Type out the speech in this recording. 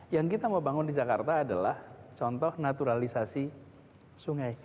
yang kita mau bangun di jakarta adalah contoh naturalisasi sungai